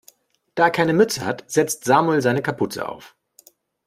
Da er keine Mütze hat, setzt Samuel seine Kapuze auf.